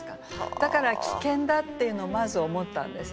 だから危険だっていうのをまず思ったんですね。